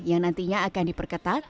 yang nantinya akan diperketat